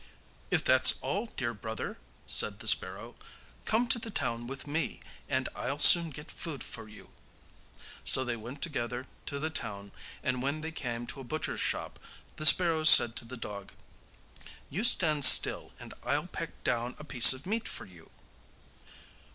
'If that's all, dear brother,' said the sparrow, 'come to the town with me, and I'll soon get food for you.' So they went together to the town, and when they came to a butcher's shop, the sparrow said to the dog: 'You stand still and I'll peck down a piece of meat for you.